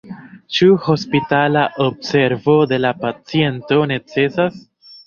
Ĉu hospitala observo de la paciento necesas?